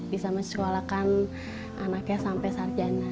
bisa mensuarakan anaknya sampai sarjana